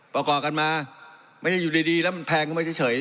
ประกอบกันมาไม่ได้อยู่ดีดีแล้วมันแพงมาเฉยเฉย